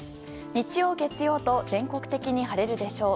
日曜、月曜と全国的に晴れるでしょう。